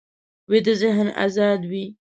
ویده ذهن ازاد وي